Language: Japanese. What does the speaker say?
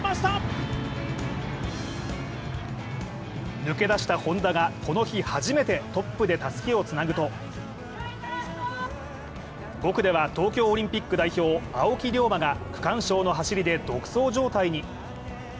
抜け出したＨｏｎｄａがこの日初めてトップでたすきをつなぐと、５区では東京オリンピック代表青木涼真が区間賞の走りで独走状態に。